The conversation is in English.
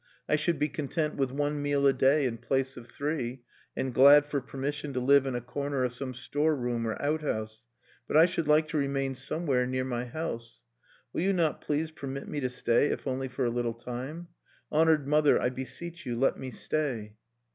I should be content with one meal a day in place of three, and glad for permission to live in a corner of some storeroom or outhouse; but I should like to remain somewhere near my home. "Will you not please permit me to stay, if only for a little time? Honored mother, I beseech you, let me stay."